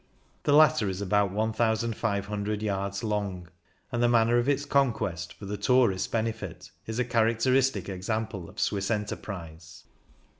The latter is about 1,500 yards long, and the manner of its conquest for the tourist's benefit is a characteristic example of Swiss enterprise.